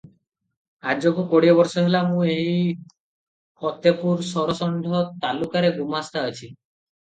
ଆଜକୁ କୋଡ଼ିଏ ବରଷ ହେଲା ମୁଁ ଏହି ଫତେପୁର ସରଷଣ୍ଢ ତାଲୁକାରେ ଗୁମାସ୍ତା ଅଛି ।